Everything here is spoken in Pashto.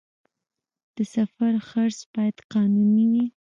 د سفر خرڅ باید قانوني وي